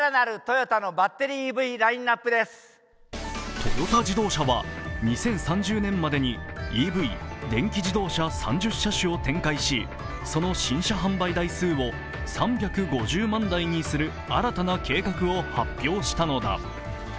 トヨタ自動車は２０３０年までにＥＶ＝電気自動車３０種車種を展開しその新車販売台数を３５０万台にする新たな計画を発表したのだ。